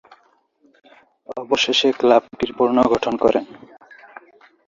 অবশেষে ক্লাবটির পুনর্গঠন করেন।